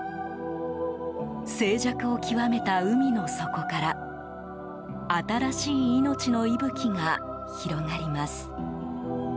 静寂を極めた海の底から新しい命の息吹が広がります。